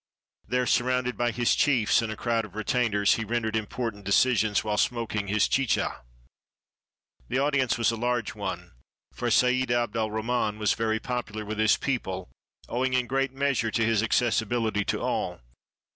There, surrounded by his chiefs and a crowd of retainers, he rendered important decisions while smoking his chicha. The audience was a large one, for Seid Abd' el Rah man was very popular with his people, owing in great measure, to his accessibility to all.